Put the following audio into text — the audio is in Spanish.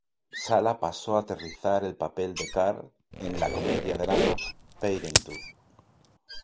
Sala pasó a aterrizar el papel de "Carl" en la comedia-drama Parenthood.